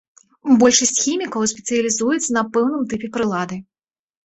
Большасць хімікаў спецыялізуецца на пэўным тыпе прылады.